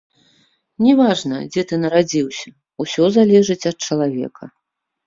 Не важна, дзе ты нарадзіўся, усё залежыць ад чалавека.